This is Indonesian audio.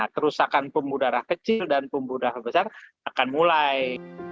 kerusakan pembuluh darah kecil dan pembuluh darah besar akan mulai